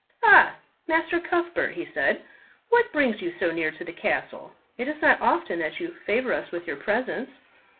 "Ah, Master Cuthbert," he said, "what brings you so near to the castle? It is not often that you favour us with your presence."